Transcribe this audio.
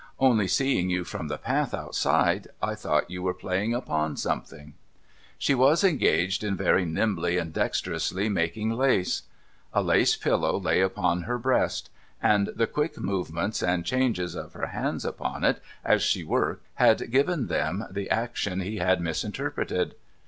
Only seeing you from the path outside, I thought you were playing upon something/ She was engaged in very nimbly and dexterously making lace. A lace pillow lay upon her breast ; and the quick movements and changes of her hands upon it, as she worked, had given them the action he had misinterpreted.